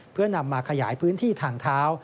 เพื่อนำมาขยายพื้นที่ทางเท้า